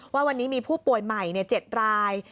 ว่าวันนี้มีผู้ป่วยใหม่๗ราย